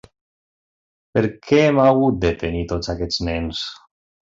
Per què hem hagut de tenir tots aquests nens?